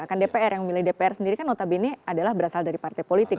kan dpr yang memilih dpr sendiri kan notabene adalah berasal dari partai politik